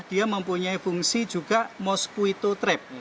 dia mempunyai fungsi juga mosquito trap